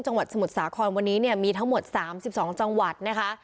จังหวัดสมุทรสาครวันนี้เนี่ยมีทั้งหมด๓๒จังหวัดนะคะ